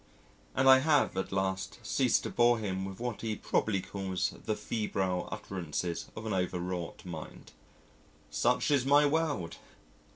and I have at last ceased to bore him with what he probably calls the febrile utterances of an overwrought mind. Such is my world!